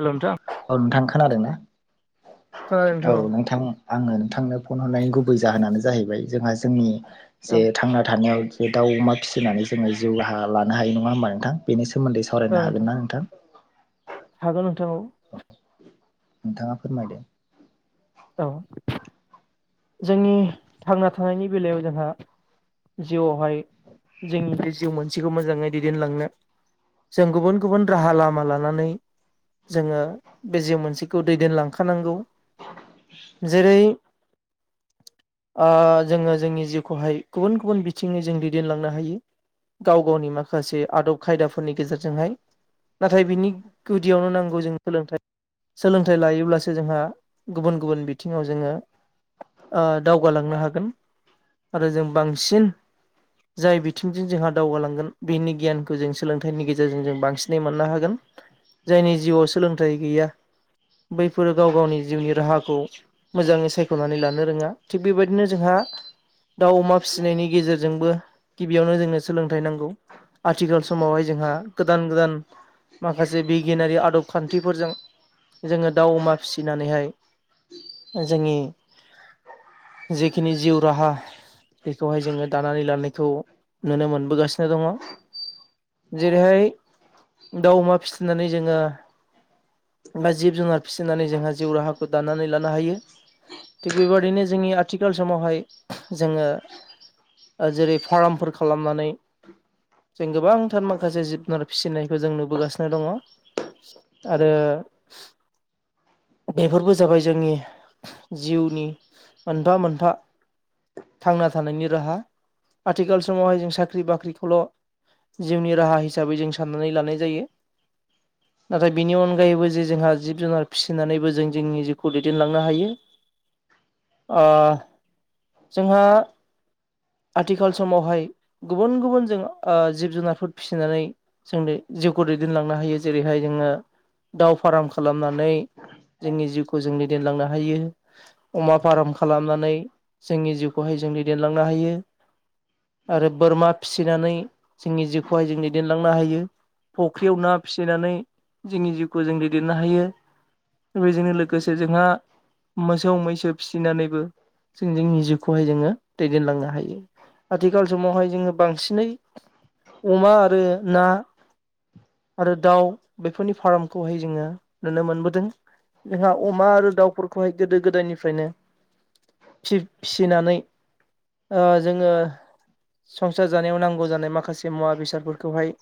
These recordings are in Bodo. हेलौ नोंथां औ नोंथां खोनादोंना औ नोंथां आंङो नोंथांनो फन हरनायनि गुबै जाहोनानो जाहैबाय जोंहा जोंनि औ जे थांना थानायाव बे दाउ अमा फिसिनानै जोंङो जिउ लानो हायो नंङा होमबा नोंथां बेनि सोमोन्दै सावरायनो हागोन ना नोंथां हागोन नोंथां औ नोंथांङा फोरमायदो औ जोंनि थांना थानायनि बेलायाव जोंहा जिउ बेहाय जोंनि बे जिउ मोनसेखौ मोजांङै दैदेनलांनो जों गुबुन गुबुन राहा लामा लानानै जोंङो बे जिउ मोनसेखौ दैदेनलांखानांगौ जेरै जोंङो जोंनि जिउखौहाय गुबुन गुबुन बिथिंङै जों दैदेनलांनो हायो। गाव गावनि माखासे आदब खायदाफोरनि गेजेरजोंहाय नाथाय बिनि गुदियावनो नांगौ जों सोलोंथाइ सोलोंथाइ लायोब्लासो जोंहा गुबुन गुबुन बिथिंङाव जोंङो दावगालांनो हागोन आरो जों बांसिन जाय बिथिंजों जोंहा दावगालांगोन बेनि गियानखौ जों सोलोंथाइनि गेजेरजों जों बांसिनै मोननो हागोन। जायनि जिउआव सोलोंथाइ गैया बैफोरो गाव गावनि जिउनि राहाखौ मोजांङै साय नानै लानो रोङा थिग बेबायदिनो जोंहा दाउ अमा फिसिनायनि गेजेरजोंबो गिबियावनो जोंनो सोलोंथाइ नांगौ आथिखाल समावहाय जोंहा गोदान गोदान माखासे बिगियानारि आदब खान्थिफोरजों जोङो दाउ अमा फिसिनानैहाय जोंनि जिखिनि जिउ राहा बेखौहाय जोङो दानानै लानायखौ नुनो मोनबोगासिनो दङ जेरैहाय दाउ अमा फिसिनानै जोङो बा जिब जुनार फिसिनानै जोंहा जिउ राहाखौ दानानै लानो हायो थिग बेबायदिनो जोंनि आथिखाल समावहाय जोङो जेरै फार्मफोर खालामनानै जों गोबांथार माखासे जिबु जुनार फिसिनायखौ जों नुबोगासिनो दङ आरो बेफोरबो जाबाय जोंनि जिउनि मोनफा मोनफा थांना थानायनि राहा आथिखाल समावहाय जों साख्रि बाख्रिखौल' जिउनि राहा हिसाबै जों साननानै लानाय जायो नाथाय बिनि अनगायैबो जे जोंहा जिब जुनार फिसिनानैबो जों जोंनि जिउखौ दैदेनलांनो हायो जोंहा आथिखाल समावहाय गुबुन गुबुन जों जिब जुनारफोर फिसिनानै जोंनि जिउखौ दैदेनलांनो हायो जेरैहाय जोङो दाउ फार्म खालामनानै जोंनि जिउखौ जोंनो देनलांनो हायो अमा फार्म खालामनानै जोंनि जिउखौहाय जों दैदेनलांनो हायो आरो बोरमा फिसिनानै जोंनि जिउखौहाय जों दैदेनलांनो हायो फुख्रियाव ना फिसिनानै जोंनि जिउखौ जों दैदेननो हायो बेफोरबायदिनो लोगोसे जोंहा मोसौ मैसो फिसिनानैबो जों जोंनि जिउखौहाय जोङो दैदेनलांनो हायो आथिखाल समावहाय जोङो बांसिनै अमा आरो ना आरो दाउ बेफोरनि फार्मखौहाय जोङो नुनो मोनबोदों जोंहा अमा आरो दाउफोरखौहाय गोदो गोदायनिफ्रायनो फिसिनानै जोङो संसार जानायाव नांगौ जानाय माखासे मुवा बेसादफोरखौहाय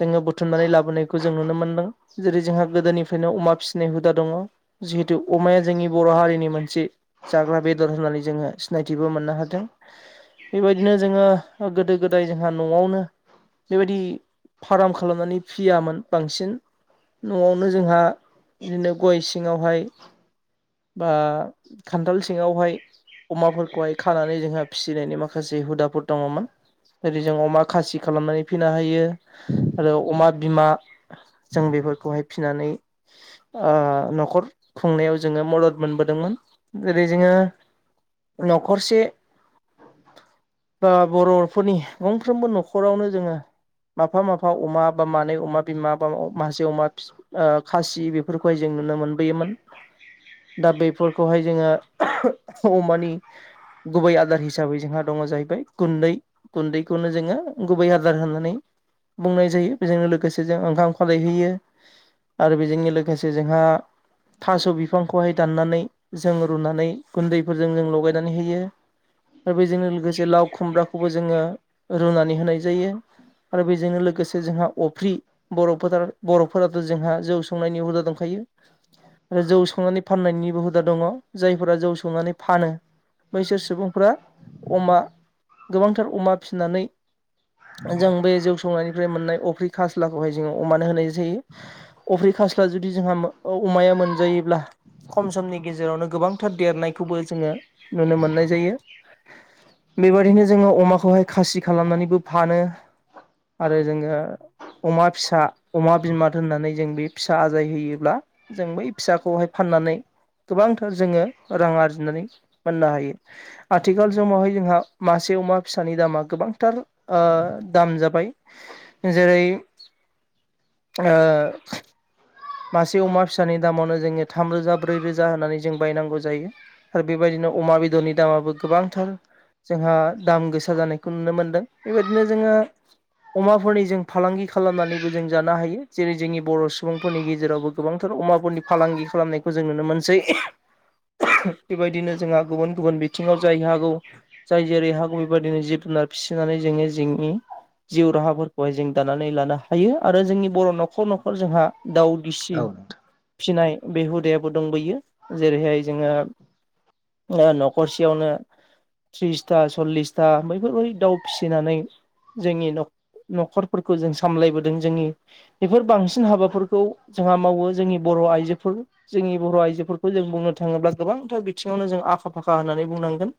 जोङो बुथुमनानै लाबोनायखौ जों नुनो मोनदों जेरै जोंहा गोदोनिफ्रायनो अमा फिसिनाय हुदा दङ अमाया जोंनि बर' हारिनि मोनसे जाग्रा बेदर होननानै जोङो सिनायथिबो मोननो हादों बेबायदिनो जोङो गोदो गोदाय जोंहा न'आवनो बेबायदि फार्म खालामनानै फिसियामोन बांसिन न'आवनो जोंहा बिदिनो गय सिङावहाय बा खान्थाल सिङावहाय अमाफोरखौहाय खानानै जोंहा फिसिनायनि माखासे हुदाफोर दङमोन ओरै जों अमा खासि खालामनानै फिनो हायो आरो अमा बिमा जों बेफोरखौहाय फिसिनानै न'खर खुंनायाव जोङो मदद मोनबोदोंमोन जेरै जोङो न'खरसे [inaudible] बा बर'फोरनि गंफ्रोमबो न'खरावनो जोङो माफा माफा अमा बा मानै अमा बिमा बा मासे अमा खासि बेफोरखौहाय जों नुनो मोनबोयोमोन दा बेफोरखौहाय जोङो अमानि गुबै आदार हिसाबै जोंहा दङ जाहैबाय गुन्दै गुन्दैखौनो जोङो गुबै आदार होनानै बुंनाय जायो बेजोंनो लोगोसे जों ओंखाम खालायहैयो आरो बेजोंनो लोगोसे जोंहा थास' बिफांखौहाय दाननानै जों रुनानै गुन्दैफोरजों जों लगायनानै होयो आरो बेजों लोगोसे लाव खुमब्राखौबो जोङो रुनानै होनाय जायो आरो बेजोंनो लोगोसे जोंहा अफ्रि बर'फोरा बर'फोराथ' जोंहा जौ संनायनि हुदा दंखायो आरो जौ संनानै फाननायनिबो हुदा दङ जायफोरा जौ संनानै फानो बैसोर सुबुंफ अमा गोबांथार अमा फिसिनानै जों बे जौ संनायनिफ्राय मोननाय अफ्रि खास्लाखौहाय जोङो अमानो होनाय जायो अफ्रि खास्ला जुदि जोंहा अमाया मोन जायोब्ला खम समनि गेजेरावनो गोबांथार देरनायखौबो जोङो नुनो मोननाय जायो बेबायदिनो जोङो अमाखौहाय खासि खालामनानैबो फानो आरो जोङो अमा फिसा अमा बिमा दोननानै जों बे फिसा आजाय होयोब्ला जों बै फिसाखौहाय फाननानै गोबांथार जोङो रां आरजिनानै मोननो हायो आथिखाल समावहाय जोंहा मासे अमा फिसानि दामा गोबांथार दाम जाबाय जेरै मासे अमा फिसानि दामावनो जोङो थामरोजा ब्रै रोजा होननानै जों बायनांगौ जायो आरो बेबायदिनो अमा बेदरनि दामाबो गोबांथार जोंहा दाम गोसा जानायखौ नुनो मोनदों बेबायदिनो जोङो अमाफोरनि जों फालांगि खालामनानैबो जों जानो हायो जेरै जोंनि बर' सुबुं फोरनि गेजेरावबो गोबांथार अमाफोरनि फालांगि खालामनायखौ जों नुनो मोनसै बेबायदिनो जोंहा गुबुन गुबुन बिथिङाव जाय हागौ जाय जेरै हागौ बेबायदिनो जिब जुनार फिसिनानै जोंनिया जोंनि जिउ राहाफोरखौहाय जों दानानै लानो हायो आरो जोंनि बर' न'खर न'खर जोंहा दाउ दिसि औ नोंथां फिनाय बे हुदायाबो दंबोयो जेरैहाय जोङो न'खरसेयावनो थ्रिसथा सल्लिसथा बैफोरबायदि दाउ फिसिनानै जोंनि न'खरफोरखौ जों सामलायबोदों जोंनि बेफोर बांसिन हाबाफोर खौ जोंहा मावो जोंनि बर' आइजोफोर जोंनि बर' आइजोफोरखौ जों बुंनो थाङोब्ला गोबांथार बिथिङावनो जों आखा फाखा होननानै बुंनांगोन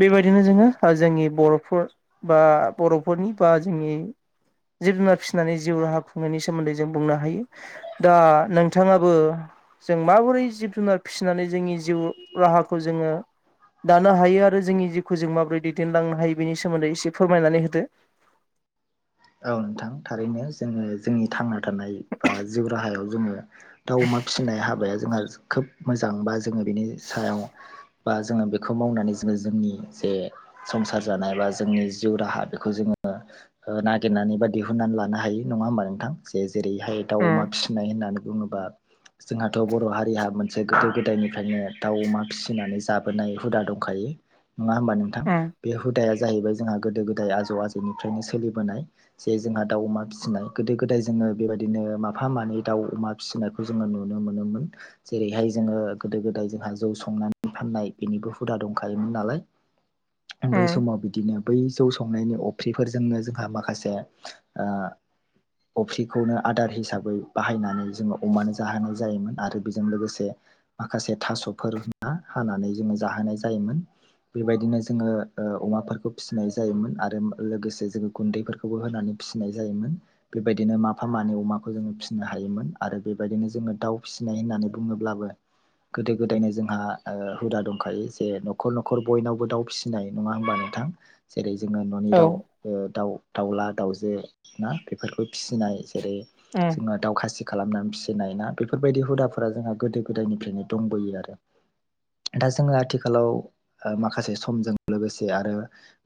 बेबायदिनो जोङो जोंनि बर'फोर बा बर'फोरनि बा जोंनि जिब जुनार फिसिनानै जिउ राहा खुंनायनि सोमोन्दै जों बुंनो हायो दा नोंथाङाबो जों माबोरै जिब जुनार फिसिनानै जोंनि जिउ राहाखौ जोङो दानो हायो आरो जोंनि जिउखौ जों माबोरै दैदेनलांनो हायो बेनि सोमोन्दै एसे फोरमायनानै होदो औ नोंथां थारैनो जोङो जोंनि थांना थानाय बा जिउ राहायाव जोङो दाउ अमा फिसिनाय हाबाया जोंहा खोब मोजां बा जोङो बिनि सायाव बा जोङो बेखौ मावनानै जोङो जोंनि जे संसार जानाय बा जोंनि जिउ राहा बेखौ जोङो ना गिरनानै बा दिहुननानै लानो हायो नङा होमबा नोंथां जे जेरैहाय दाउ अमा उम फिसिनाय होननानै बुङोबा जोंहाथ' बर' हारिहा मोनसे गोदो गोदायनिफ्रायनो दाउ अमा फिसिनानै जाबोनाय हुदा दंखायो नङा होमबा नोंथां उम बे हुदाया जाहैबाय जोंहा गोदो गोदाय आजौ आजौनिफ्रायनो सोलिबोनाय जे जोंहा दाउ अमा फिसिनाय गोदो गोदाय जोङो बेबायदिनो माफा मानै दाउ अमा फिसिनायखौ जोङो नुनो मोनोमोन जेरैहाय जोङो गोदो गोदाय जोंहा जौ संनानै फाननाय बेनिबो हुदा दंखायोमोन नालाय बै उम समाव बिदिनो बै जौ संनायनि अफ्रिफोरजोंनो जोंहा माखासे अफ्रिखौनो आदार हिसाबै बाहायनानै जोङो अमानो जाहोनाय जायोमोन आरो बेजों लोगोसे बे माखासे थास'फोर हानानै जोङो जाहोनाय जायोमोन। बीबायदिनो जोङो ओ अमाफोरखो फिसिनाय जायोमोन आरो लोगोसे जोङो गुन्दैफोर खौबो होनानै फिसिनाय जायोमोन। बेबायदिनो माफा मानै अमाखौ जोङो फिसिनो हायोमोन। आरो बेबायदिनो जोङो दाउ फिसिनाय होननानै बुङोब्लाबो गोदो गोदायनो जोंहा ओ हुदा दंखायो जे न'खर न'खर बयनावबो दाउ फिसि सिनाय नङा होमबा नोंथां जेरै जोङो न'नि औ दाउ ओ दाउ दाउला दाउजो ना बेफोरखौ फिसिनाय। जेरै उम। ओ दावखासि खालामनानै फिसिनाय ना बेफोरबायदि हुदाफोरा जोंहा गोदो गोदायनिफ्रायनो दंबोयो आरो। दा जोङो आथिखालाव ओ माखासे समजों लोगोसे आरो।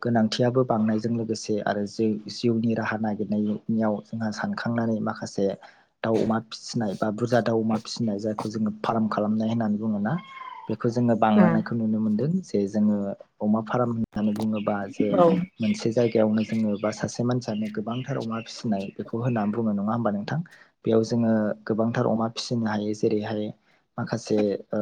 गोनांथियाबो बांनायजों लोगोसे आरो जे जिउनि राहा नागिरनाययाव जोंहा सानखांनानै माखासे। दाउ अमा फिसिनाय बा बुरजा दाउ अमा फिसिनाय जायखौ जोङो फार्म खालामनाय होननानै बुङोना? बे बेखौ जोङो उम बांलांनायखौ नुनो मोनदों जे जोङो अमा फार्म होननानै बुङोबा जे औ मोनसे जायगायावनो जोङो बा सासे मानसियानो गोबांथार अमा फिसिनाय बेखौ होननानै बुंङो नङा होमबा नोंथां। बेयाव जोङो गोबांथार अमा फिसिनो हायो। जेरैहाय माखासे ओ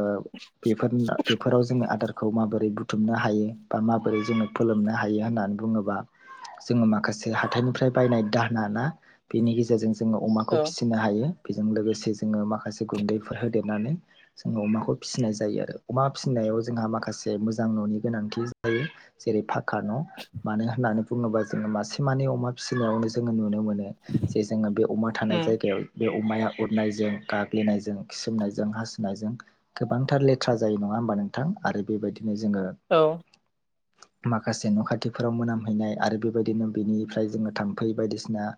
बेफोर बेफोराव जोङो आदारखौ माबोरै बुथ बुथुमनो हायो बा माबोरै जोङो फोलोमनो हायो होननानै बुङोबा, जोङो माखासे जोंङो हाथाइनिफ्राय बायनाय दाहोना ना बेनि गेजेरजों जोङो अमाखौ औ फिसिनो हा हायो बेजों लोगोसे जोङो माखासे गुन्दैफोर होदेरनानै जोङो अमाखौ फिसिनाय जायो आरो अमा फिसिनायाव जोंहा माखासे मोजां न'नि गोनांथि जायो। जेरै फाका न' मानो होननानै बुङोबा जोङो मासे माने अमा फिसिनायावनो जोङो नुनो मोनो जे जोङो बे अमा थानाय उम जायगायाव बे अमाया उरनायजों गाग्लिनायजों खिसोमनायजों हासुनायजों गोबांथार लेथ्रा जायो नङा होमबा नोंथां आरो बेबायदिनो जोङो औ। माखासे न' खाथिफोराव मोनामहैनाय आरो बेबायदिनो। बिनिफ्राय जोङो थाम्फै बायदिसिना।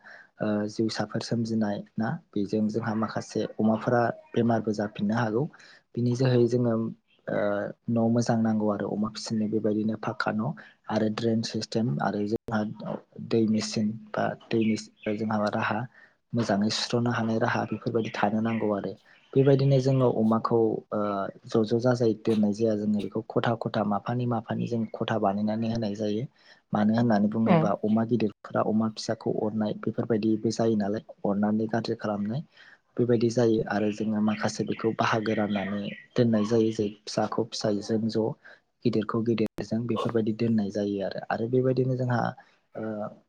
ओ जिउसाफोर सोमजिनाय ना बेजों जोंहा माखासे अमाफोरा बेमारबो जाफिननो हागौ। बिनि जोहै जोङो ओ न' मोजां नांगौ आरो अमा फिसिनाय बेबायदिनो फाखा न'। आरो ड्रेन सिस्टेम आरो जोंहा दै मेचिन बा दैनि जोंहा मा राहा? मोजाङै सुस्र'नो हानाय राहा बेफोरबायदि थानो नांगौ आरो। बेबायदिनो जोंङो अमाखौ ओ ज' ज' जाजाय दोननाय जाया जोंङो बेखौ। खथा खथा माफानि माफानि जों खथा बानायनानै होनाय जायो। मानो होननानै उम बुंङोब्ला, अमा गिदिरफोरा अमा फिसाखौ अरनाय बेफोरबायदिबो जायो नालाय अरनानै [unintelligible] खालामनाय। बेबायदि जायो आरो जोंङो माखासे बेखौ बाहागो राननानै दोननाय जायो। जे फिसाखौ फिसायजों ज'। गिदिरखौ गिदिरजों बेफोरबायदि दोननाय जायो आरो। आरो बेबायदिनो जोंहा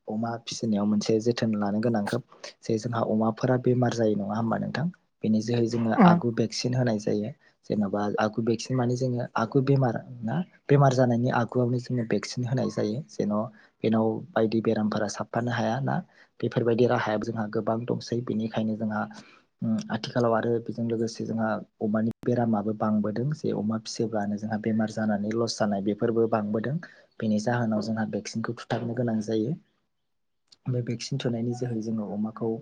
ओ अमा फिसिनायाव मोनसे जोथोन लानो गोनां खोब जे जोंहा अमाफोरा बेमार जायो। नंङा होमबा नोंथां? बेनि जोहै जोंङो उम आगु बेक्सिन होनाय जायो। जेन'बा आगु बेक्सिन माने जोंङो आगु बेमार ना बेमार जानायनि आगुआवनो जोंङो बेक्सिन होनाय जायो। जेन' बेेनाव बायदि बेरामफोरा साबफानो हाया ना बेफोरबायदि राहायाबो जोंहा गोबां दंसै। बेनिखायनो जोंहा आथिखालाव आरो बेजों लोगोसे जोंहा अमानि बेरामाबो बांबोदों। जे अमा फिसियोब्लानो जोंहा बेमार जानानै लस जानाय बेफोरबो बांबोदों। बेनि जाहोनाव जोंहा भेक्सिनखौ थुथारनो गोनां जायो। बे भेक्सिन थुनायनि जोहै जोंङो अमाखौ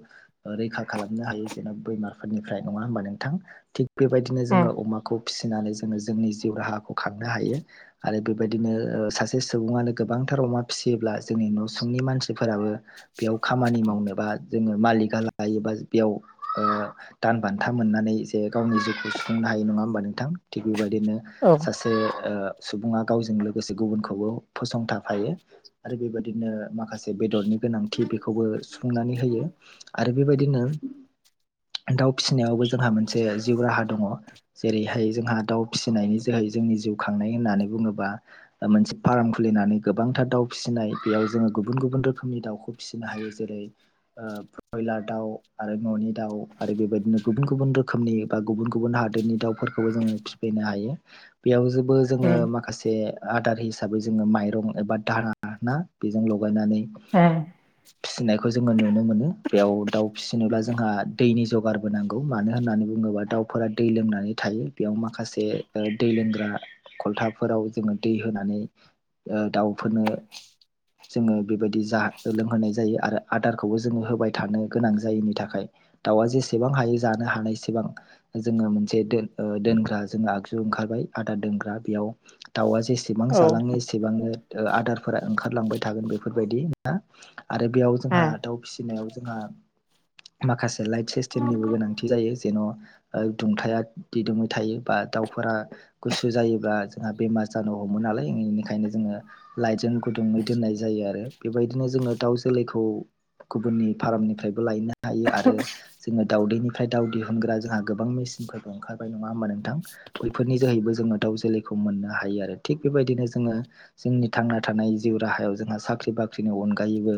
ओ रैखा खालामनो हायो जेनबा बेमारफोरनिफ्राय नङा हबा नोंथां थिग बेबायदि दिनो उम जोंङो अमाखौ फिसिनानै जोङो जोंनि जिउ राहाखौ खांनो हायो। आरो बेबायदिनो ओ सासे सुबुंङानो गोबांथार अमा फिसियोब्ला जोंनि न'सुंनि मानसिफोराबो बेयाव खामानि मावनोबा जोंङो मालिकआ लायोबा बेयाव ओ दान बान्था मोननानै जे गावनि जिउखौ सुफुंनो हायो नंङा होमबा नोंथां थिग बेबायदिनो औ सासे ओ सुबुङा गावजों लोगोसे गुबुनखौबो फसंथाफायो। आरो बेबायदिनो माखासे बेदरनि गोनांथि बेखौबो सुफुंनानै होयो। आरो बेबायदिनो दाउ फिसिनायावबो जोंहा मोनसे जिउ राहा दङ'। जेरैहाय जोंहा दाउ फिसिनायनि जोहै जोंनि जिउ खांनाय होननानै बुंङोब्ला ओ मोनसे फार्म खुलिनानै गोबांथार दाउ फिसिनाय बेयाव जोंङो गुबुन गुबुन रोखोमनि दाउखौ फिसिनो हायो जेरै ओ ब्रयलार दाउ आरो न'नि दाउ आरो बेबायदिनो गुबुन गुबुन रोखोमनि बा गुबुन गुबुन हादोरनि दाउ फोरखौबो जोंङो फिफैनो हायो। बेयाव जोबो जोंङो उम माखासे आदार हिसाबै जोंङो माइरं एबा दाहना ना बेजों लगायनानै उम फिसिनायखौ जोंङो नुनो मोनो बेयाव दाउ फिसिनोब्ला जोंहा दैनि जगारबोनांगौ मानो होननानै बुंङोब्ला दाउ फोर दै लोंनानै थायो बेयाव माखासे ओ दै लोंग्रा खलथाफोराव जोंङो दै होनै ओ दाउफोरनो जोंङो बेबायदि जाहो लोंहोनाय जायो आरो आदारखौबो जोंङो होबाय थानो गोनां जायनि थाखाय दाउआ जेसेबां हायो जानो हानायसेबां जोंङो मोनसे दो ओ दोनग्रा जोंङो आगजु ओंखारबाय आदार दोनग्रा बेयाव दावआ जेसे बेसेबां औ जालांङो इसेबांनो ओ आदार फोरा ओंखारलांबाय थागोन बेफोरबायदि आरो बेयाव जोंहा उम दाउ फिसिनायाव जोंहा माखासे लाइट सिस्टेमनिबो गोनांथि जायो जेन' ओ दुंथाया दिदैदोमै थायो बा दाउफोरा गुसु जायोब्ला जोंहा बेमार जानो हमो नालाय बेनिखायनो जोंङो लाइट जों गुदुंङै दोननाय जायो आरो बेबायदिनो जोंङो दाउ जोलैखौ गुबुननि फार्मनिफ्रायबो लायनो हायो आरो जोंङो दावदैनिफ्राय दाव दिहुनग्रा जोंहा गोबां मेसिनफोर ओंखारबाय नङा होमबा नोंथां। बैफोरनि जोहैबो जोंङो दाउ जोलैखौ मोननो हायो आरो थिग बेबायदिनो जोंङो जोंनि थांना थानाय जिउ राहायाव जोंहा साख्रि-बाख्रिनि अनगायैबो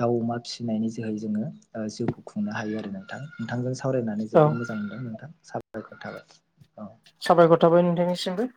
दाउ अमा फिसिनायनि जोहै जोङो ओ जिउखौ खुंनो हायो आरो नों नोंथां नोंथांजों सावरायनानै औ जोबोद मोजां मोनदों नोंथां साबायखर थाबाय औ साबायखर थाबाय नोंथांनिसिमबो